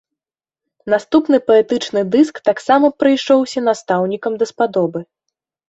Наступны паэтычны дыск таксама прыйшоўся настаўнікам даспадобы.